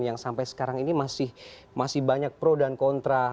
yang sampai sekarang ini masih banyak pro dan kontra